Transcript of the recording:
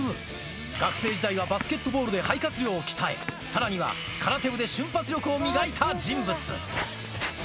学生時代はバスケットボールで肺活量を鍛え、さらには空手部で瞬発力を磨いた人物。